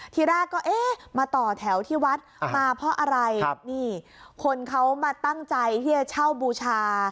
ทีแรกก็เอ๊ะมาต่อแถวที่วัดมาเพราะอะไรนี่คนเขามาตั้งใจที่จะเช่าบูชา